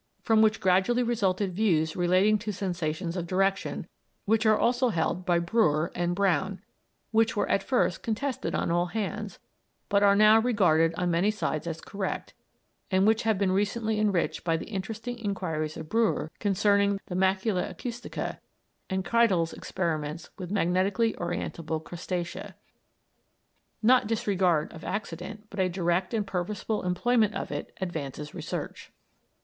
from which gradually resulted views relating to sensations of direction which are also held by Breuer and Brown, which were at first contested on all hands, but are now regarded on many sides as correct, and which have been recently enriched by the interesting inquiries of Breuer concerning the macula acustica, and Kreidel's experiments with magnetically orientable crustacea. Not disregard of accident but a direct and purposeful employment of it advances research.